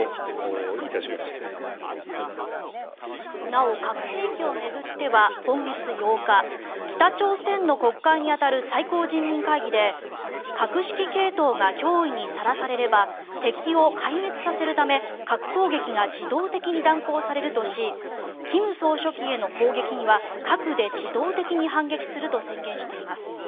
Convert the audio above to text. なお、核兵器を巡っては今月８日北朝鮮の国会に当たる最高人民会議で核指揮系統が脅威にさらされれば敵を壊滅させるため核攻撃が自動的に断行されるとし金総書記への攻撃には核で自動的に反撃すると宣言しています。